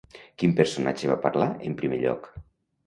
Quin personatge va parlar en primer lloc?